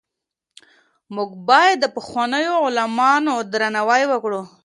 موږ باید د پخوانیو عالمانو درناوی وکړو.